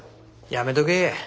やめとけ。